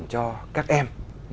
cho các em